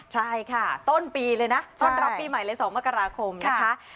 ใช่ค่ะต้นปีเลยนะต้อนรับปีใหม่เลย๒มกราคมนะคะ